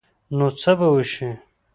نو څه به وشي ؟